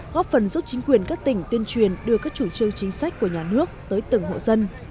góp phần giúp chính quyền các tỉnh tuyên truyền đưa các chủ trương chính sách của nhà nước tới từng hộ dân